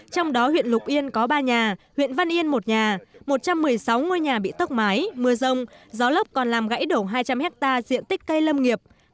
trong đó huyện lục yên có ba nhà huyện văn yên một nhà một trăm một mươi sáu ngôi nhà bị tốc mái mưa rông gió lốc còn làm gãy đổ hai trăm linh hectare diện tích cây lâm nghiệp